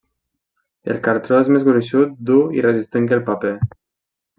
El cartó és més gruixut, dur i resistent que el paper.